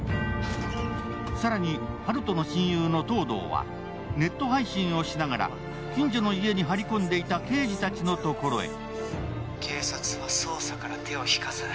更に、温人の親友の東堂はネット配信をしながら近所の家に張り込んでいた刑事たちの所へ。